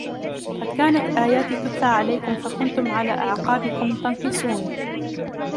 قد كانت آياتي تتلى عليكم فكنتم على أعقابكم تنكصون